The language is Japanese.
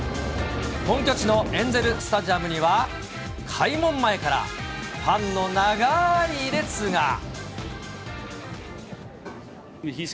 本拠地のエンゼルスタジアムには、開門前から、ファンの長い列が。